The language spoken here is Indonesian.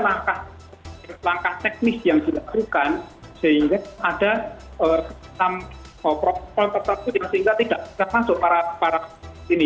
ada langkah teknis yang dilakukan sehingga ada prototip yang sehingga tidak masuk para ini